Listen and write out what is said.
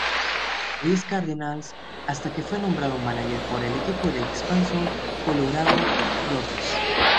Louis Cardinals hasta que fue nombrado mánager por el equipo de expansión Colorado Rockies.